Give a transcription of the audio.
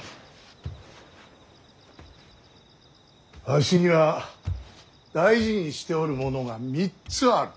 わしには大事にしておるものが３つある。